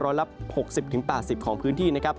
ละ๖๐๘๐ของพื้นที่นะครับ